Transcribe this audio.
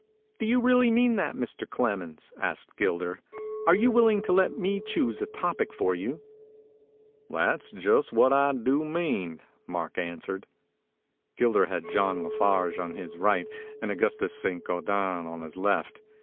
"Do you re ally mean that, Mr. Clerm asked Gilder. "Are you willing to let me choose a topic for you ?" 275 MEMORIES OF MARK TWAIN "That's just what I do mean," Mark an swered. Gilder had John La Farge on his right and Augustus Saint Gaudens on his left.